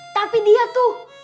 tapi dia tuh